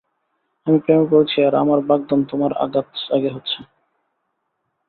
আমি প্রেমে পড়েছি আর আমার বাগদান তোমার আগে হচ্ছে।